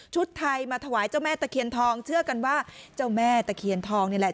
ไทยมาถวายเจ้าแม่ตะเคียนทองเชื่อกันว่าเจ้าแม่ตะเคียนทองนี่แหละ